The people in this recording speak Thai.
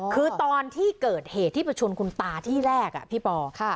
คือตอนที่เกิดเหตุที่ประชวนคุณตาที่แรกอ่ะพี่ปอล์ค่ะ